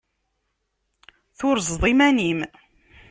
Turzeḍ iman-im.